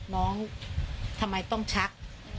น้องทำไมต้องชัก